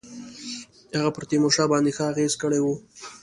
هغه پر تیمورشاه باندي ښه اغېزه کړې وه.